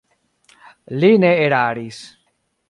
Li ne eraris.